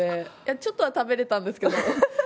ちょっとは食べれたんですけど。